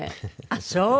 あっそう？